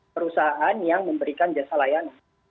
perusahaan yang memberikan jasa layanan